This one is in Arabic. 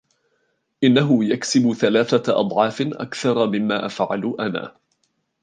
انه يكسب ثلاثة أضعاف أكثر مما افعل انا.